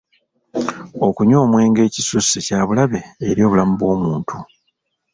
Okunywa omwenge ekisusse kya bulabe eri obulamu bw'omuntu.